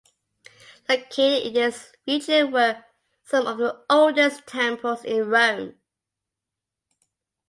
Located in this region were some of the oldest temples in Rome.